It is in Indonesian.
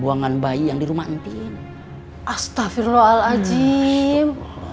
buangan bayi yang di rumah mimpi astagfirullahaladzim